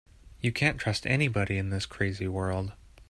You can't trust anybody in this crazy world.